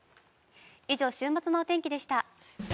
以上、週末のお天気でした。